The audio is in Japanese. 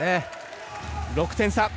６点差！